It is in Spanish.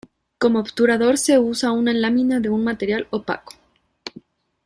Como obturador se usa una lámina de un material opaco.